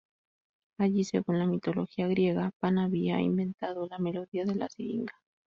Allí, según la mitología griega, Pan había inventado la melodía de la siringa.